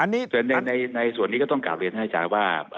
ในส่วนนี้ก็ต้องการเรียนให้จากว่า